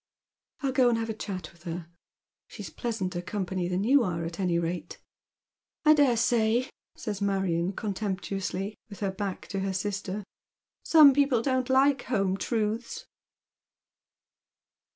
" I'll go and have a chat with her. She's pleasanter company than you are, at any rate." " I dare say," says Marion contemptuously, with her back to her sister. '' Some people don't like home truths."